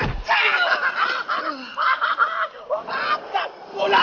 mereka bisa berdua